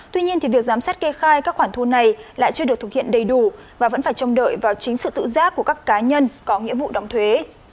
tuy nhiên việc giám sát kê khai các khoản thu này lại chưa được thực hiện đầy đủ và vẫn phải trông đợi vào chính sự tự giác của các cá nhân có nghĩa vụ động thuế